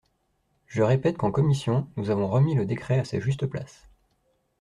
Je répète qu’en commission, nous avons remis le décret à sa juste place.